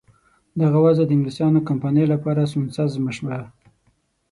دغه وضع د انګلیسیانو کمپنۍ لپاره سونسزمه شوه.